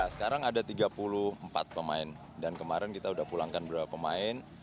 sekarang ada tiga puluh empat pemain dan kemarin kita sudah pulangkan beberapa pemain